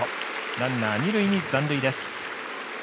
ランナー、二塁に残塁です。